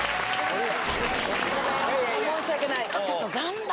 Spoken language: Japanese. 申し訳ない！